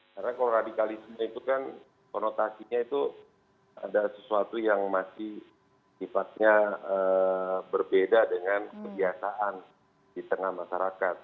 karena kalau radikalisme itu kan konotasinya itu ada sesuatu yang masih sifatnya berbeda dengan kebiasaan di tengah masyarakat